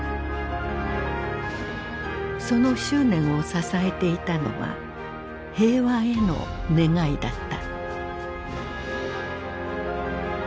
その執念を支えていたのは平和への願いだった。